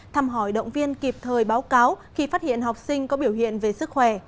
thăm hỏi động viên kịp thời báo cáo khi phát hiện học sinh có biểu hiện về sức khỏe